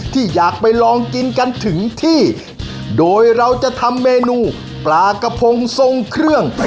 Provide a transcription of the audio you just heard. ที่อยากไปลองกินกันถึงที่โดยเราจะทำเมนูปลากระพงทรงเครื่อง